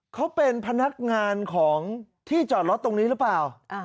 เขาเป็นพนักงานของที่จอดรถตรงนี้หรือเปล่า